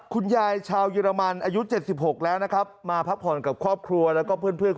คุณยายชาวเยอรมันอายุ